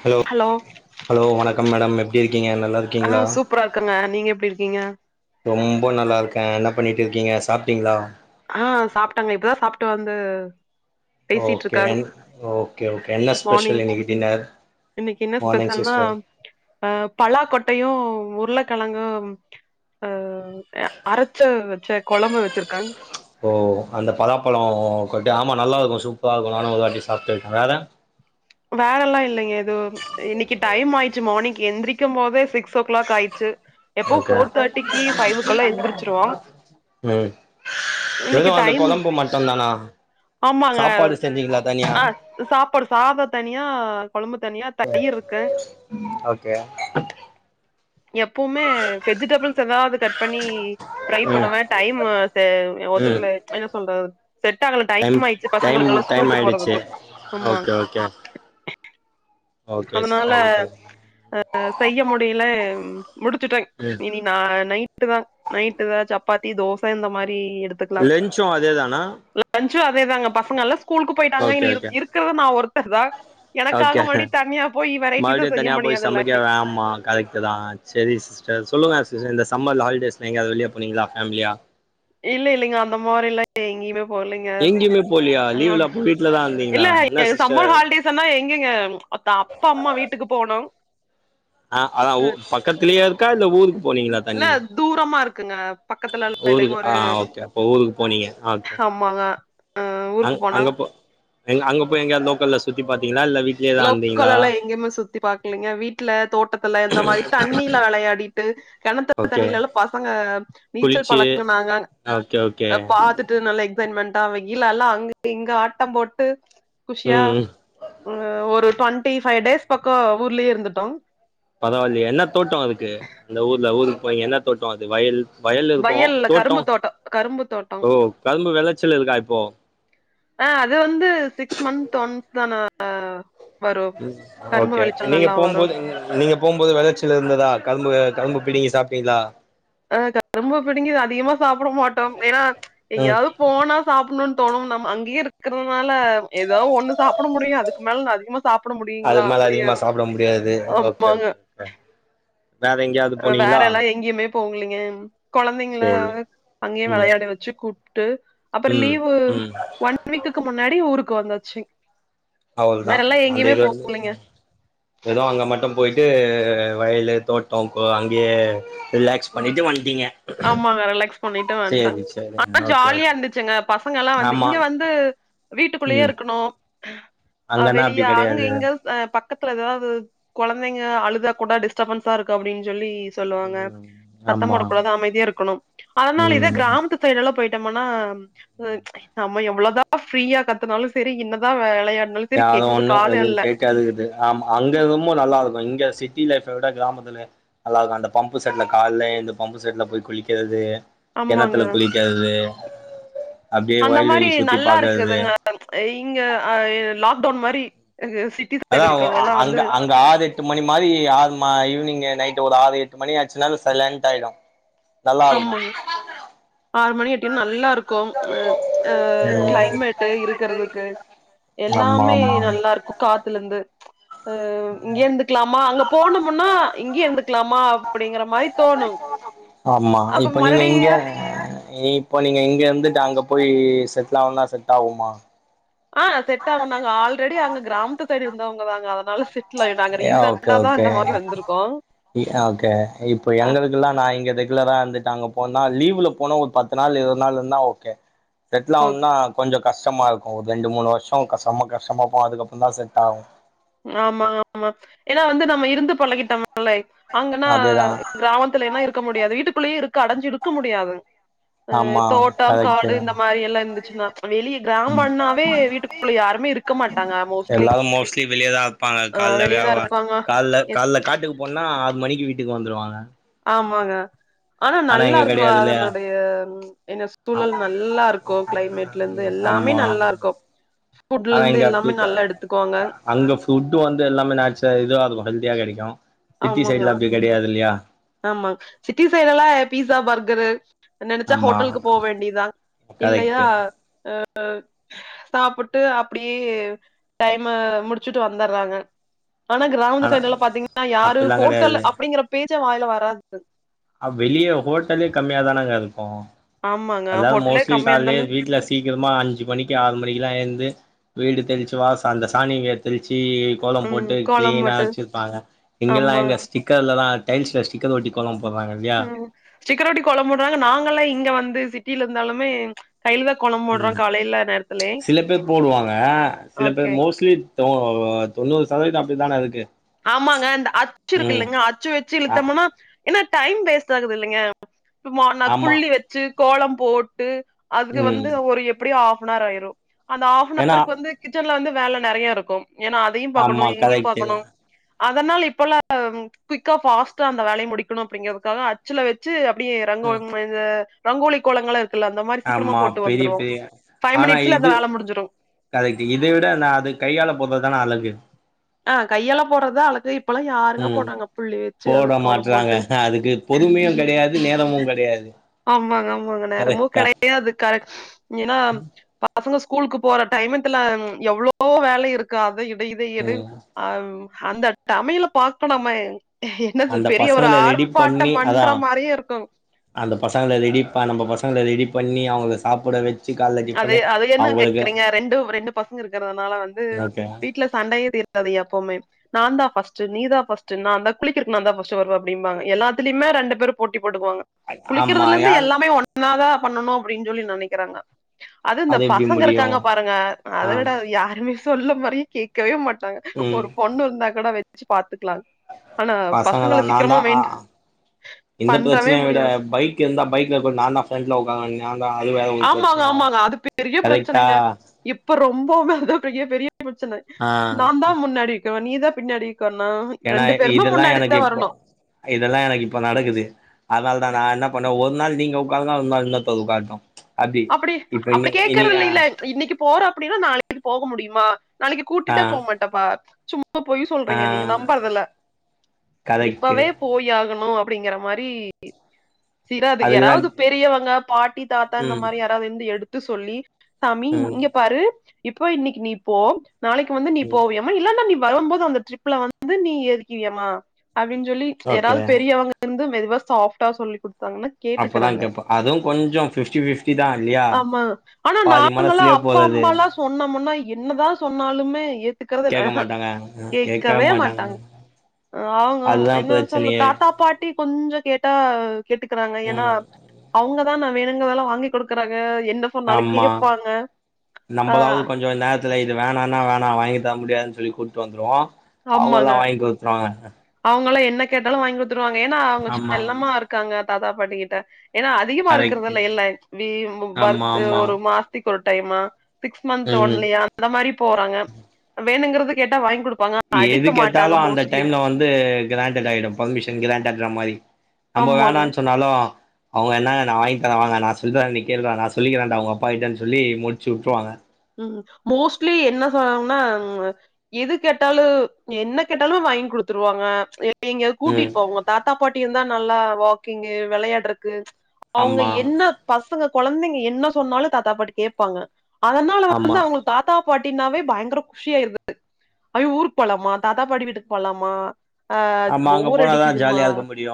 Hello hello வணக்கம் madam எப்டி இருக்கீங்க நல்லாரு ஆ சூப்பரார்க்கங்க நீங்க எப்டி இருக்கீங்க ரொம்ப நல்லார்க்க என்ன பண்ணிட்ருக்கீங்க சாப்ட்டீங்ளா ஆ சாப்டங்க இப்பதா சாப்ட்டு வந்து ஓகே பேசிட்ருக்கங் ஓகே ஓகே என்ன ஸ்பெஷல் இன்னக்கி டின்னர் இன்னக்கி என்ன மார்னிங் ஸ்பெஷல்னா சிஸ்டர் அ பலா கொட்டையு உருளக்கெழங்கு அ அரைச்ச வச்ச குழம்ப வச்சிருக்காங்க ப்போ அந்த பலாப்பழொ கொட்டய ஆமா நல்லாருக்கு சூப்பராக்கு நானு ஒருவாட்டி சாப்ட்டே வேற வேறல்லா இல்லயே இது ஏதோ இன்னக்கி டைம் ஆயிச்சு மார்னிங்கு எந்திரிக்கும் போதே சிக்ஸ் க்ஸ் ஓக் கிளாக் ஆயிட்ச்சு எப்போ ஓகே ஃபோர் தேர்டிக்கு ஃபைவுக்கெல்லா எந்துருச்சிருவோ உம் வெரு அந்த கொழம்பு மட்டுந்தானா ஆமாங்க சாப்பாடு செஞ்சீங்களா தனியா அ சாப்பாடு சாத தனி தனியா கொழம்பு தனியா தயிர் ருக்கு ஓகே எப்பவுமே வெஜிடபிள்ஸ் ஏதாவது கட் பண்ணி டிரை ம் பண்ணுவ டைம் ஸெ ம் ஒத்துக்கல என்ன சொல்றத் செட் ஆகல டைம் ஆய்ச்சு டைம் பசங்களுக்கெல்லா டைம் ஸ்கூல்க்கு ஆயிடுச்சு போறதுக்கு ஆமா ஓகே ஓகே ஓகே அதனால சிஸ்டர் அ செய்ய முடியல முடிச்சுட்டங் ம் இனி ந நைட்டு தா நைட்டு தா சப்பாத்தி தோச இந்த மாரி எடுத் லெஞ்சு அதே தானா லஞ்சு அதேதாங்க பசங்கல்லா ஸ்கூலுக்கு போய்ட்டாங்க ஓகே இனி ஓகே இருக்குறது நா ஒருத்தர் தா ஓகே எனக்காக மருடி மறுபடியு தனியா போய் சமைக்க வேமா கரெட்டுதா சரி சிஸ்டர் சொல்லங்க சிஸ் இந்த சம்மல் ஹாலிடேஸ் எங்காவது வெளிய போனீங்ளா ஃபேம்லியா இல்ல இல்லலேங்க அந்த மோரில்லா எங்கயுமே போலீங்க எங்கேயுமே போலியா ஆ லீவ்ல அப்ப வீட்ல தா இருந்தீங்களா இல்ல என்ன சிஸ்டர் சம்மர் ஹாலிடேஸ் ன்னா எங்கெங்க அப்பா அம்மா வீட்டுக்கு போனோம் அ அதா பக்கத்துலயெ ர்க்கா இல்ல ஊருக் போனீங்ளா இல்ல தூரமார்க்குங்க பக்கத்துலல இல்லேங்க ஊருக்கு ஆ ஒரு ஓகே அப்போ ஊருக்கு ம்மாங்க அ அங்க எங்க அங்க போய் எங்கயாது லோக்கல்ல சுத்தி பாத்தீங்ளா இல்ல வீட்லயே தா இருந்தீங்களா லொக்கலல்லா எங்கேயுமே சுத்தி பாக்கலீங்க வீட்டுல தோட்டத்துல இந்த மாரி தண்ணில வெளையாடி ட்டு கெணத்து ஓகே தண்ணில ல்லா பசங்க நீச்சல் பழகுனாங்க ஓக்கே ஓக்கே பாத்துட்டு நல்லா எக்சைட்மெண்டா வெயிலால்லா அங்க இங்க ஆட்டம் போட்டு குஷியா உம் ம் ஒரு டு்வெண்ட்டி ஃபைவ் டேஸ் பக்கொ ஊர்லயே இருந்துட்டோ பரவால்லயே என்ன தோட்ட ர்க்கு அந்த ஊர்ல ஊருக்கு போய் என்ன தோட்ட அது வயல் வயல் இருக்கு வயல்ல தோட்டோ கரும்பு கரும்பு தோட்டோ ஓ கரும்பு விளைச்சல் இருக்கா இப்போ ஆ அது வந்து சிக்ஸ் மந்த் ஒன்ஸ்தான ஓகே நீங்க வரும். போம்போது நீங்க போம்போது விதச்சு இருந்ததா கரும்பு கரும்பு பிடிங்க சாப்ட்டீங்ளா அ கரும்ப பிடுங்கி அதிகமா சாப்புட மாட்டோம் ஏன்னா ம் எங்கெயாவத் போனா சாப்புணுன் தோணும் நம்ம அங்கேயே இருக்குறதுனால ஏதோ ஒண்ணு சாப்புட முடியு அதுக்கு மேல அதிக சாப்புட முடுயு அது மேல அதிகமா சாப்பிட முடியாது ஓகே ஓ ஆமாங்க. கே வேற எங்கேயாவது போனீங்களா போங்களீங்க போங்லைங்க கொழந்தைங்கள சேரி அங்கயே ம் விளையாட வச்சு கூப்ட்டு அப்புறோ ம் லீவு ம் ஒன் வீக்குக்கு முன்னாடி ஊருக்கு வந்தாச்சு அவ்ள்தா வேற எல்லாம் அந்த எங்கேயுமே இது வந்து அ போகலீங்க. ஏதோ அங்க மட்டு போயிட்டு வயலு தோட்டோ அங்கயே ஒ ஆமாங்க ரிலாக்ஸ் பண்ணிட்டு வன்ட்டே சேரி சேரி ஆனா ஓகே ஜாலியா ஓகே இருந்துச்சுங்க பசங்கல்லா வந்து ஆமா இங்க வந்து வீட்டுக்குள்ளயே ம் இருக்கணு அ அங்கன்னா அப்டி வெளியா அங்க கெடையாது இங்க அ பக்கத்துல ஏதாவது கொழந்தைங்க அழுதா கூட டிஸ்டபன்ஸா இருக்கு அப்டின்னு சொல்லி சொல்லுவாங்க ம் சத்தோ ஆமா போடக்கூடாது அமைதியா இருக்கணு அதனால இத ம் கிராமத்து சைடெல்லா போயிட்டோமன்னா ச் நம்ம எவ்வளோதா ஃப்ரீயா கத்தனாலு சரி இன்னதா வேளயா யாரு ஒண்ணு எது கேக்காது இது ஆமா அங்க ரொம்ப நல்லா இருக்கு இங்க சிட்டி லைஃப விட கிராமத்துல நல்லா இருக்கு அந்த பம்பு செட்ல கால்ல ஏழ்ந்து பம்பு செட்ல போய் குளிக்கறது ஆமாங்க கெணத்துல குளிக்கறது அப்டியே வயல்வெலி சுத்தி பாக்கற்து [unintelligible] எ இங்க ஆ லாக்டவுன் மாரி ஆ சி அதா அங்க அங்க ஆதே எட்டு மணி மாரி ஆறு மா ஈவினிங் நைட் ஒரு ஆறு எட்டு மணி ஆச்சுனா [unintelligible] சைலண்ட் ஆய்டு ஆம்மாங்க ஆறுமணி எட் கேனு நல்லா இருக்கு அ அ க்ளைமேட்டு இருக்கறதுக்கு ஆமா எல்லாமே ஆமா நல்லாருக்கு காத்துலேந்து ஆ இங்கே இந்துக்கலாமா அங்க போனமுன்னா இங்கே இந்துக்கலாமா அப்டிங்கிற மாரி தோணு ஆம்மா அப்ப இப்ப நீங்க இங்க மறுபடியு இப் இப்போ நீங்க இங்க இருந்துட்டு அங்க போய் செட்ல ஆணுனா செட் ஆகுமா ஆ செட் ஆகு நாங்க ஆல்ரெடி அங்க கிராமத்து சைடு இருந்தவங்க தாங்க அதனால செட் ட்லாய் நாங்க ஓகே ரீசண்டா தா ஓகே இந்த மாரி வந்துருக்கோ ஓகே இப்ப எங்குளுக்குல்லா நா இங்க ரெகுலரா இந்துட்டு அங்க போனா லீவ்ல போனா ஒரு பத் நாள் இருவது நாள் இருந்தா ஓகே செட்லா ஓகே ஆகுனுனா கொஞ்சோ கஷ்டமா இருக்கு ஒரு ரெண்டு மூணு வருஷோ செம கஷ்டமா போவு அதுக்கப்பறந்தா செட் ஆகு ஆம்மாங்க ஆமா ஏன்னா வந்து நம்ம இருந்து பழகிட்டோம்ல்லே அங்கனா அதேதா கிராமத்துலனா இருக்க முடியாது வீட்டுகுள்ளே இருக்க அடஞ்சு இருக்க முடியாது அ ஆமா தோட்டம் காடு கரெக்ட்டு இந்த மாரி எல்லா இருந்துச்சுன்னா வெளிய கிராமன்னாவே வீட்டுக் குல யாருமே இருக்க மாட்டாங்க மோஸ்ட்லி எல்லாரும் மோஸ்ட்லி வெளியேதா வப்பாங்க ஆ கால்ல வெளியதா வியாபா இருப்பாங்க கால்ல கால்ல காட்டுக்கு போன்னா ஆறு மணிக்கு வீட்டுக்கு வந்துருவாங்க ஆம்மாங்க ஆனா நல்லா இங்க இருக்கு கெடையாது இல்லையா அதனுடைய என்ன சொ தூழல் நல்லா இருக்கு கிளைமேட்லந்து எல்லாமே ஆமா நல்லா இருக்கு ஆனா ஃபுட்லேந்து இங்க எல்லாமே அப்டி நல்லா எடுத்துக்குவாங்க அங்க ஃபுட்டு வந்து எல்லாமே நேச்சுர இதுவா இருக்கு ஹெல்த்தியா கெடைக்கு சிட்டி சைடுல அப்டி கெடையாது இல்யா ஆம்மா சிட்டி சைடு லா ஆ பீஸா பர்கரு நெனச்சா ஆமா ஹோட்டல்கு போவேண்டிதா இல்லயா கரெக்ட்டு அ அ சாப்புட்டு அப்டியே டைம முடிச்சுட்டு வந்தறாங்க ஆனா கிராமத்து ஆனா சைடுலா பாத்தீங்கன்னா யாரு அப்டிலா ஹோட்டல் கெடையாது அப்டிங்கிற பேச்சே வாயில வராது அப் வெளிய ஹோட்டலே கம்மியாதானங்க இருக்கு ஆமாங்க எல்லாரு ஹோட்டலே மோஸ்லி கம்மியா கால்லே இருந்தாலு வீட்லஸ் சிக்கரமா அஞ்சு மணிக்கு ஆறு மணிக்குலா ஏந்து வீடு தெளிச்சு வாச அந்த சாணிய தெளிச்சு ம் கோலம்போட்டு கிளீனா கோலம்பட்டு வச்சிருப்பாங்க இங்கல்லா ஆமா எங்க ஸ்டிக்கர்லதா டைல்ஸ்ல ஸிக்கர்ஓட்டி கோலம் போறாங்க ம் ஸ்டிக்ர்வொட்டி கோலம் போட்றாங்க நாங்கல்லா இங்க வந்து சிட்டியில இருந்தாலுமே கையில தா கோலம் போ ம் சில பேர் போடுவாங்க சில ஓகே பேர் மோஸ்லி தொ தொண்ணூறு சதவீதம் அப்டி தான இருக்கு ஆமாங்க இந்த அச்சு இருக்கு ம் இல்லங்க அச்சு வச்சு ஆ இழுத்தம்மனா ஏன்னா டைம் வேஸ்ட் ஆகுது இல்லைங்க இப்ப ந ஆமா புள்ளி வச்சு கோலம் போட்டு அதுக்கு ம் வந்து ஒரு எப் டி ஆஃபன் ஹவர் ஆயிரு அந்த ஆஃபன் ஏன்னா ஹவர்க்கு வந்து கிச்சன்ல வந்து வேல நெறையா இருக்கு ஏனா அ அதியு பாக்கணு ஆமா இங்கி கரெக்ட்டு பாக்கணு அதனால இப்பலா குயிக்கா ஃபாஸ்டா அந்த வேலய முடிக்கணு அப்டிங்கறதுக்காக அச்சுல வச்சு அப்டியே ரங்கோ இந்த ரங்கோலி கோலங்கள் இரு க்குல்ல அந்த மாரி சீக்கிரமா ஆமா போட்டு பெரிய வந்துருவோ பெரிய ஃபைவ் மினிட்ஸ்ல அந்த வேல முடிஞ்சிரு கரைட்டு இத விட நா அது கையால போட்றதுதான அழகு ஆ கையால போட்றதா அழகு இப்பல்லா யாருங்க ம் போட்றாங்க புள்ளி வெச்சு போட அதுக் கோலம் மாட்றாங்க போட்டு அதுக்கு பொறுமையு கெடயாது ஆமாங்க ஆமாங்க நேரமு கரெக்டா கெடயாது கரெட் ஏன்னா பசங்க ஸ்கூலுக்கு போற டைமத்துல எவ்ளவோ வேல இருக் க்கா அத இத இத எடு ம் அ அந்த தமிழ பாக்கனுமே என்ன அந்த சொல் பெரிய ஒரு பசங்கள ரெடி பண்ணி அதா ஆர்ப்பாட்டமன்ற மாரியே இருக் அந்த பசங்கள ரெடிப்ப நம்ம பசங்கள ரெடி பண்ணி அவுங்ள சாப்பட வெச் அது அத என்ன கேக்குறீங்க ரெண்டு ரெண்டு பசங்க இருக்கறதுனால வந்து ஓகே வீட் வீட்ல சண்டையே தீர்காது எப்போமே நாந்தா ஃபர்ஸ்டு நீதா ஃபர்ஸ்டு நா தா குளிக்கரக்கு நாந்தா ஃபர்ஸ்டு வரு அப்டிம்பாங்க எல்லாத்திலிமே ரெண்டு பேரு போட்டி போட்டுக்வாங்க ஆமா குளிக்கறதுல இருந்து யார் எல்லாமே ஒன்னாதா பண்ணு அப்டிஞ் சொல்லி நெனைக்குறாங்க அது இந்த எப்டி பசங்க முடியு இருக்காங்க பாருங்க அத ஆ விட யாருமே சொல்ல மாரியே கேக்கவே மாட்டாங்க ம் ஒரு பொண்ணு இருந்தா கூட வெச்சு பாத்துக்லா பசங்களா நாந்தா ஆ இந்த பண்றவே பிரச்சனைய விட முடியாது பைக் கு இருந்த பைக்ல உக்கார நாந்தா ஃபிரென்ட்ல உக்காருவே நாந்தா அது வேற ஒரு ஆமாங்க பிரச்சனை ஆகு ஆமாங்க அது பெரிய கரெக்டா பிரச்சனைங்க இப்ப ரொம்போமே அதா பெரிய பெரிய பிரச்சனை ஆ நாந்தா முன்னாடி க்குவே நீதா பின்னாடி உக்கார்னு அஹ ஏன்னா ரெண்டு பேருமே இதெல்லா முன்னாடி எனக்கு தா இப்போ வரணு இதெல்லா எனக்கு இப்ப நடக்குது அதனாலதா நா என்ன பண்ணுவே ஒரு நாள் நீங்க உக்காருங்க ஒரு நாள் இன்னொருத்தங் உக்காரட்டு அப்டி அப்டி கேக்கறது இல்லைல இன்னிக்கி போற அப்டின்னா நாளைக்கு போக முடியுமா நாளைக்கு ஆ கூட்டிட்டே போ மாட்டாப்பா சும் மா பொய் ஆ சொல்றீங்க நீங்க நம்பறதுல்ல கரெக்ட்டு இப்பவே போய்யாகணு அப்டிங்கற மாரி சிறாது அதுக்குதா யாராவது பெரியவங்க பாட்டி தாத்தா இந்த ம் மாரி யாராவது இருந்து எடுத்து சொல்லி சாமி ம் இங்க பாரு இப்போ இன்னிக்கி நீ போ நாளைக்கு வந்து நீ ம் போவியாம் இல்லன்னா நீ வரும்போது அந்த ட்ரிப்ல வந்து நீ ஏறிக்கிரியாமா அப்டின்னு சொல்லி ஓகே யாராவது பெரியவங்க இருந்து மெதுவா சாஃப்டா சொல்லி குடுத்தாங்னா அப்பதா கேட்டுக்கறாங்க கேப்பா அதுவு கொஞ்சோ ஃபிப்டி ஃபிப்டி தா இல்லையா ஆமா ஆனா பாதி நாங்களா மனசுலயே அப்பா போறது அம்மாலா சொன்னமுன்னா என்னதா சொன்னாலுமே கேக்கறதுல்ல கேக்க ஆஹ மாட்டாங்க கேட்கவே மாட்டாங் அவங்க அதுதா என்னா சொல்ல பிரச்சனையே தாத்தா பாட்டி கொஞ்சோ கேட்டா கேட்டுக்கறாங்க ஏன்னா ம் அவ்ங்க தா மேம் வேணுங்கதல்லாம் வாங்கி் குடுக்குறாங்க என்னப் ஆமா ஆ நம்பளாவது கொஞ்சோ நேர் த்துல இது வேணானா வேணா வாங்கி தர முடியாதுன் சொல்லி கூப்ட்டு வந்துருவோ அவங்க எல்லா வாங்கி குடுத்துவாங்க அவுங்களா என்ன கேட்டாலு வாங்கி குடுத்துருவாங்க ஏனா அவுங்க ஆமா செல்லமா இருக்காங்க தா பாட்டிக்கிட்ட ஏன்னா அ தீமா கரெக்ட் இருக்கரதில்ல இல்லை தீ வரு ஆமா ஆமா ஒரு மாசத்துக்கு ஒரு டைமு சிக்ஸ் மந்த் ம் ஒன்லியா அந்த மாரி போறாங்க வேணுங்கறது கேட்டா வாங்கி குடுப்பாங்க எது அடிக்க மாட்டாங்க கேட்டாலு அந்த மோஸ்ட்லி டைம்ல வந் து கிராண்டட் ஆய்டும் பெர்மிஷன் கிராண்ட்டுற மாரி நம்ம ஆமாங்க வேணான் சொன்னாலு அவங்க என்னங்க நா வாங்கி தர வாங்க நா சொல்ற நீ கேள்ட்ரா நா சொல்லிக்கிறடா உங்க அப்பாகிட்டன் சொல்லி முடிச்சுட்ருவாங்க ம் மோஸ்ட்லி என்ன சொனாங்கன்னா ஆ எது கேட்டாலு என்ன கேட்டாலு வாங்கி குடுத்துருவாங்க ஏ எங்யா ம் கூட்டிட்டு போ உங்க தாத்தா பாட்டிய இருந்தா நல்லா வாக்கிங்கு வெளயாடுறக்கு அவங்க ஆமா என்ன பசங்க கொழந்தைங்க என்ன சொன்னாலு தாத்தா பாட்டி கேப்பாங்க அதனால ஆமா வந்து அவங்க தாத்தா பாட்டினாவே பயங்கர குஷியாயிருது அவிய் ஊருக்கு போலாமா தாத்தா பாட்டி வீட்டுக்கு போலாமா ஆ ஆமா அங்க போர் போனாதா அடிக்குதுமா ஜாலியா இருக்க முடியு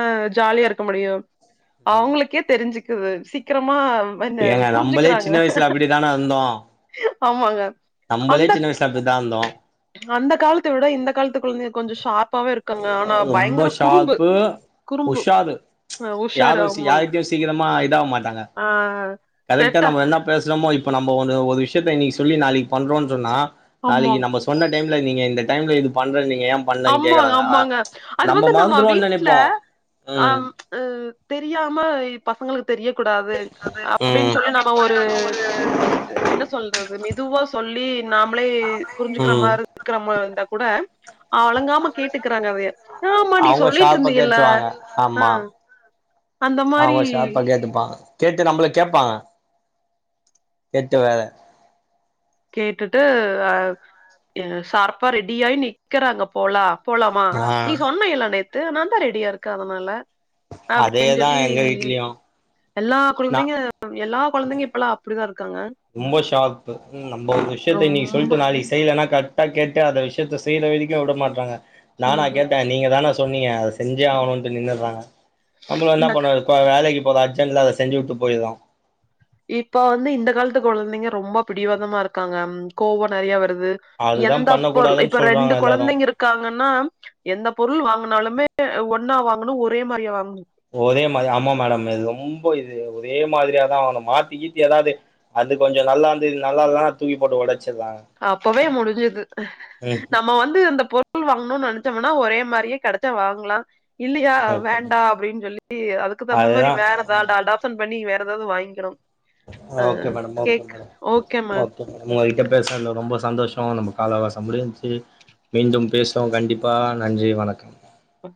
ஆ ஜாலியா இருக்க முடியு அவங்களுக்கே தெரிஞ்சுக்குது சீக்கரமா வந்த புரிஞ்சுக்கிறாங்க நானா வந்தோ ஆமாங்க அந்த வயசுல அப்டிதா இருந்தோ அந்த காலத்த விட இந்த காலத்து குழந்தைங்க கொஞ்சோ ஷார்பாவே இருக் ரொம்ப ஷார்ப்பு குறும்பு உஷாரு அ உஷாரு யாரு சீ ஆமாங்க யார்கிட்டயு சீக்கிரமா இதாவ மாட்டாங்க ஆ கரெக்டா செட்டா நம்ம என்ன பேசுறோமோ இப்ப நம்ம ஒன்னு ஒரு விஷயத்த இன்னிக்கி சொல்லி நாளைக்கு பண்றோன் சொன்னா நாளைக்கி ஆமாங்க நம்ம சொன்ன டைம்ல நீங்க இந்த டைம்ல இது பண்ற நீங்க ஏ ஆம்மாங்க ஆம்மாங்க அது வந்து நம்ம மறந்துருவோன்னு வீட்ல நெனைப்போ அ ம் அ ‌தெரியமா இப் பசங்களுக் தெரியக்கூடாது அப்டின் ம் சொல்லி நாம ஒரு என்ன சொல் அது மெதுவா சொல்லி நாமளே புரிஞ்சுக்கிற ம் மாரி இருக்கிற மா இருந்தா கூட அலங்காம கேட்டுக்கிறாங்க அதைய. ஆமா நீ அவங்க சொல்லிட்டு சார்பா இருந்தீயல்ல. கேட்ருவாங்க ஆ ஆமா அந்த மாரி அவங்க ஷார்பா கேட்டுப்பாங்க கேட்டு நம்பள கேப்பாங்க கேட்டு வேற கேட்டுட்டு அ ஏ சார்பா ரெடியாயி நிக்கறாங்க போலா போலாமா ஆ நீ சொன்னல்ல நேத்து நா தா ரெடியாருக்கே அதனால அப்டின் அதேதா சொல்லி எங்க வீட்லயு எல்லா நா குழந்தைங்க எல்லா கொழந்தைங்க இப்பல்லா அப்டிதா இருக்காங்க ரொம்ப ஷார்ப்பு ம் நம்ம ஒரு விஷயத்த இன்னிக்கு ரொம்ப சொல்ட்டு நாளைக்கு செய்லனா காட் டா கேட்டு அந்த விஷயத்த செய்ற வெரைக்கு வுடமாட்டாங்க நானா ம்ஹ்ம். கேட்டே நீங்க தான சொன்னீங்க அத செஞ்சே ஆவணுன்ட்டு நின்னுறாங்க நம்மளு என்னா இந்த பண்ணறது ப்ப வேலைக்கி போற அர்ஜெட்ல அத செஞ்ச வுட்டு போயிருவோ இப்ப வந்து இந்த காலத்து கொழந்தைங்க ரொம்போ பிடிவாதமா இருக்காங்க கோவோ நெறைய வருது அதுதா எந்தப் பொருள் பண்ணக்கூடாதுன்னு இப்ப சொல்றாங்க ரெண்டு எல்லாரு கொழந்தைங்ருக் காங்கனா எந்த பொருள் வாங்குனாலுமே ஒன்னா வாங்கனு ஒரே மாரியா வாங் ஒரே மாரியா ஆமா மேடம் இது ரொம்ப இது ஒரே மாதிரியாதா வாங்கனு மாத்திகீத்தி எதாது அது கொஞ்சோ நல்லாந்து இது நல்லால்னா தூக்கி போட்டு ஒடச்சுர்றாங்க அப்பவே முடிஞ்சுது நம்ம வந்து இந்த பொ ருள் வாங்கணுன் நெனச்சம்னா ஒரே மாரியே கெடச்ச வாங்கலா இல்லியா ஓகே வேண்டா அப்டின் சொல்லி அதுக்கு தகுந்த மாரி அதுதா வேறதா டாடா சன் பண்ணி வேற ஏதாது வாங்கிறோ அ கேக் ஓகே மேம் ஒங்ககிட்ட பேசுனதுல ரொம்ப சந்தோஷ நம்ம கால அவகாசம் முடிஞ்சு மீண்டும் பேசுவோ கண்டிப்பா நன்றி வணக்கம் ஆ